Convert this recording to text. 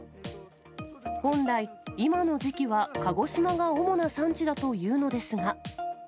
本来、今の時期は鹿児島が主な産地だというのですが。